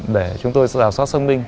để chúng tôi xác minh